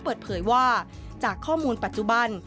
เปิดเผยว่าจากข้อมูลปัจจุบัน